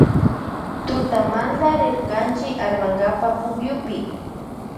Tutamante rirkanchi armankapa pukyupi.